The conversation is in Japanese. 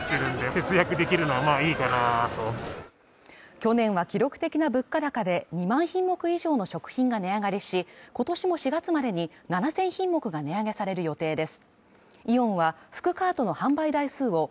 去年は記録的な物価高で２万品目以上の食品が値上がりし今年も４月までに７０００品目が値上げされる予定です。